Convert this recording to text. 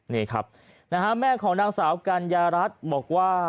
นี่ครับนะฮะแม่ของนางสาวกัญญารัฐบอกว่า